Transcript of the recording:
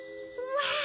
わあ。